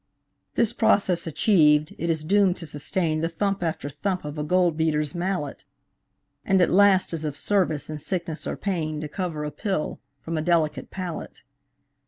This process achiev'd, it is doom'd to sustain The thump after thump of a gold beater's mallet, And at last is of service in sickness or pain To cover a pill from a delicate palate.